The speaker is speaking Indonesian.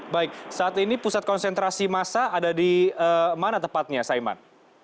baik saat ini pusat konsentrasi massa ada di mana tepatnya saiman